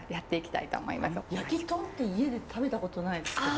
焼き豚って家で食べたことないですけど。